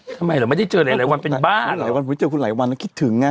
ทำไมเราไม่ได้เจอหลายวันเป็นบ้านหลายวันเจอคุณหลายวันแล้วคิดถึงไง